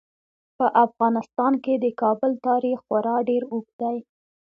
په افغانستان کې د کابل تاریخ خورا ډیر اوږد دی.